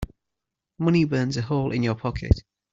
Money burns a hole in your pocket.